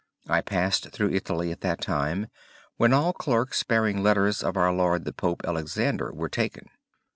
I passed through Italy at that time when all clerks bearing letters of our lord the Pope Alexander were taken.